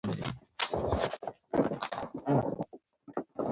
هېچا هم نه شوای کولای چې وسله وال لنډه غر څنډې ته کړي.